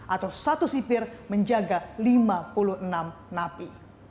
atau satu sipir menjaga lima puluh enam napi